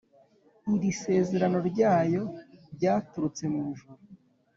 ,Iri sezerano ryayo, Ryaturutse mw’ ijuru.